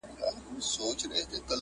ما به ولي بې گناه خلک وژلاى؛